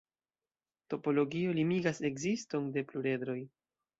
Topologio limigas ekziston de pluredroj.